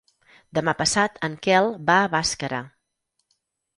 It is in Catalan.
Demà passat en Quel va a Bàscara.